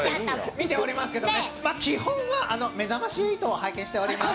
見ておりますけどね、基本は「目覚まし８」を拝見しております。